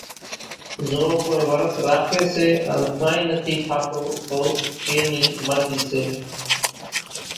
زو ڪونئين ورت راکي سي ان ڪانئين نٿي کاتو تو اين نِي مرضي سي،